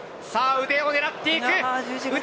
腕を狙っていく。